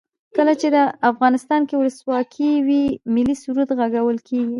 کله چې افغانستان کې ولسواکي وي ملي سرود غږول کیږي.